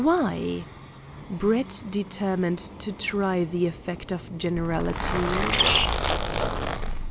Why? Brett determined to try the effect of generalities.